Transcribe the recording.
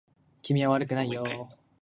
君は悪くないよ